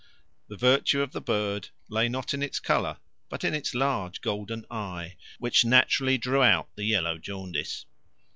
The virtue of the bird lay not in its colour but in its large golden eye, which naturally drew out the yellow jaundice.